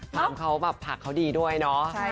ความเขาแบบผักเขาดีด้วยเนาะ